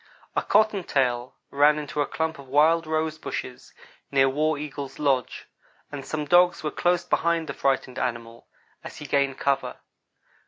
A cottontail ran into a clump of wild rose bushes near War Eagle's lodge, and some dogs were close behind the frightened animal, as he gained cover.